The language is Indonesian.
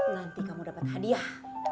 nanti kamu dapet hadiah